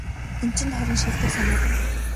Энэ чинь харин шилдэг санаа байна.